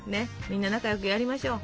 みんな仲良くやりましょう。